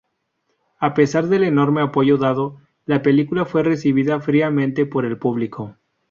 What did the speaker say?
A pesar del enorme apoyo dado, la película fue recibida fríamente por el público.